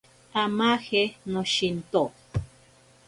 Amaje noshinto.